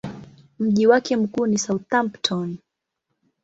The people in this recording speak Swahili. Mji wake mkuu ni Southampton.